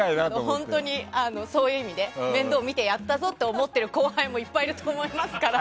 本当に、そういう意味で面倒を見てやったぞと思ってる後輩もいっぱいいると思いますから。